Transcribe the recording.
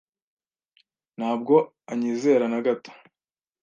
Ntabwo anyizera na gato.